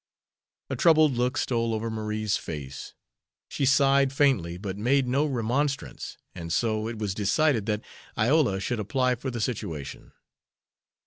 A troubled look stole over Marie's face. She sighed faintly, but made no remonstrance. And so it was decided that Iola should apply for the situation.